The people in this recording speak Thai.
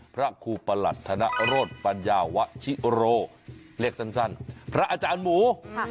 พระครูประหลัดธนโรธปัญญาวชิโรเรียกสั้นพระอาจารย์หมู